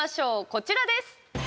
こちらです。